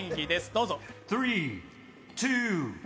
どうぞ。